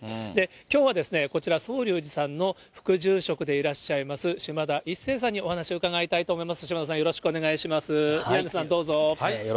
きょうはこちら、宗隆寺さんの副住職でいらっしゃいます、嶋田一成さんにお話を伺いたいと思います。